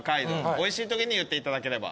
おいしいときに言っていただければ。